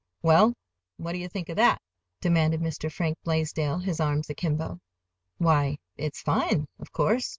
"Well, what do you think of it?" demanded Mr. Frank Blaisdell, his arms akimbo. "Why, it's fine, of course.